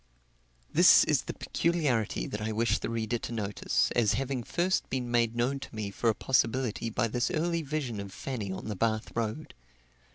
This is the peculiarity that I wish the reader to notice, as having first been made known to me for a possibility by this early vision of Fanny on the Bath road.